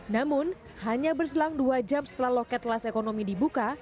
namun hanya berselang dua jam setelah loket kelas ekonomi dibuka